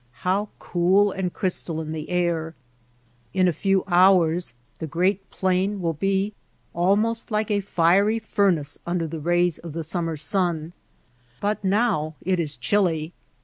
How cool and crystalline the air ! In a few hours the great plain will be almost like a fiery furnace under the rays of the summer sun, but now it is chilly.